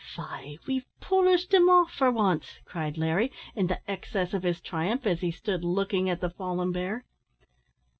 "Faix we've polished him off for wance," cried Larry, in the excess of his triumph, as he stood looking at the fallen bear.